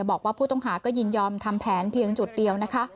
บอกว่าผู้ต้องหาก็ยินยอมทำแผนเพียงจุดเดียวนะคะ